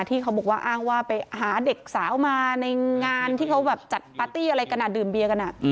ที่เขาบอกว่าอ้างว่าไปหาเด็กสาวมาในงานที่เขาแบบจัดปาร์ตี้อะไรกันดื่มเบียกัน